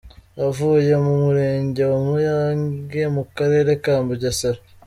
Avuye mu Murenge wa Mayange mu Karere ka Bugesera.